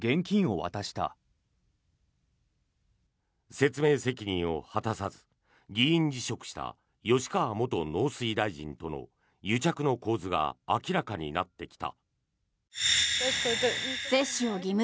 説明責任を果たさず議員辞職した吉川元農水大臣との癒着の構図が明らかになってきた。